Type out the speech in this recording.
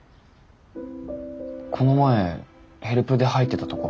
この前ヘルプで入ってたところは？